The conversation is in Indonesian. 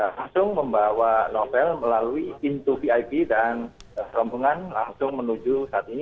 langsung membawa novel melalui pintu vip dan rombongan langsung menuju saat ini